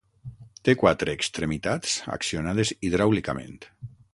Té quatre extremitats accionades hidràulicament.